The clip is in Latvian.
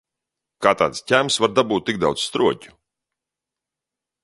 Kā tāds ķēms var dabūt tik daudz stroķu?